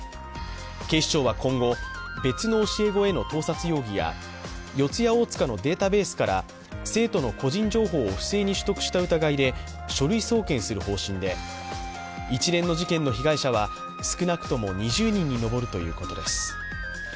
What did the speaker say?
警視庁は今後、別の教え子への盗撮容疑や四谷大塚のデータベースから生徒の個人情報を不正に取得した疑いで書類送検する方針で一連の事件の被害者は少なくとも２０人に上るということです。